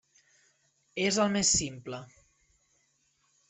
És el més simple.